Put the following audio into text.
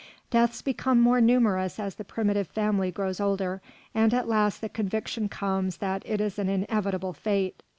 Deaths become more numerous as the primitive family grows older, and at last the conviction comes that it is an inevitable fate.